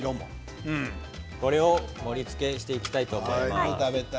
これを盛りつけていきたいと思います。